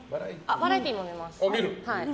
バラエティーも見ます。